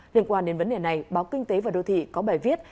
liên quan đến vấn đề này báo kinh tế và đô thị có bài viết